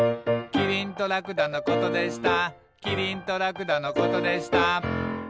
「きりんとらくだのことでした」